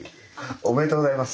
おめでとうございます。